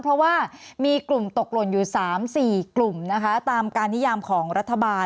เพราะว่ามีกลุ่มตกหล่นอยู่๓๔กลุ่มนะคะตามการนิยามของรัฐบาล